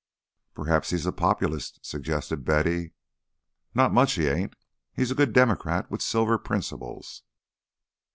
"Perhaps he's a Populist," suggested Betty. "Not much he ain't. He's a good Democrat with Silver principles."